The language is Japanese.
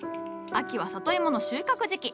秋は里芋の収穫時期。